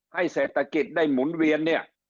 ให้เศรษฐกิจได้หมุนเวียนเนี่ย